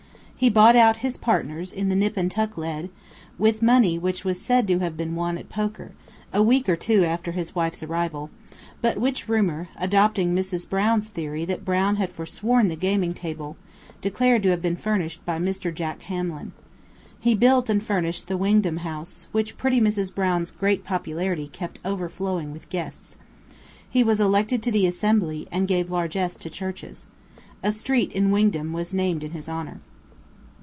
He bought out his partners in the "Nip and Tuck" lead, with money which was said to have been won at poker, a week or two after his wife's arrival, but which rumor, adopting Mrs. Brown's theory that Brown had forsworn the gaming table, declared to have been furnished by Mr. Jack Hamlin. He built and furnished the "Wingdam House," which pretty Mrs. Brown's great popularity kept overflowing with guests. He was elected to the Assembly, and gave largess to churches. A street in Wingdam was named in his honor.